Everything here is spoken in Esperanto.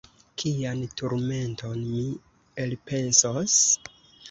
Kian turmenton mi elpensos?